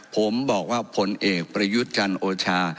ผมบอกว่าผลเอกประยุจรรย์โอชา